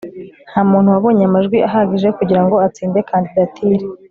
ntamuntu wabonye amajwi ahagije kugirango atsinde kandidatire